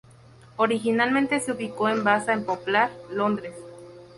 Originalmente se ubicó en basa en Poplar, Londres.